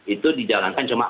itu dijalankan cuma empat